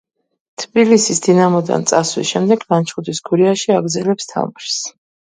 თბილისის „დინამოდან“ წასვლის შემდეგ ლანჩხუთის „გურიაში“ აგრძელებს თამაშს.